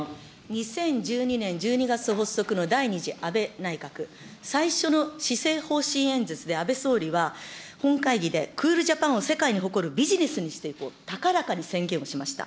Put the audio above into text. ２０１２年１２月発足の第２次安倍内閣、最初の施政方針演説で安倍総理は、本会議で、クールジャパンを世界に誇るビジネスにしていこうと高らかに宣言をしました。